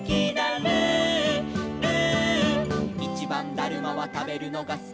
「ルールー」「いちばんだるまはたべるのがすき」